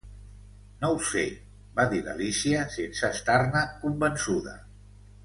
"No ho sé", va dir l'Alícia sense estar-ne convençuda.